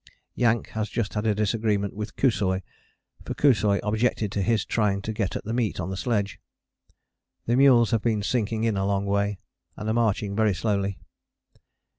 Yank has just had a disagreement with Kusoi for Kusoi objected to his trying to get at the meat on the sledge. The mules have been sinking in a long way, and are marching very slowly.